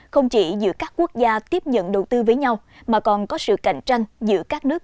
không chỉ giữa các quốc gia tiếp nhận đầu tư với nhau mà còn có sự cạnh tranh giữa các nước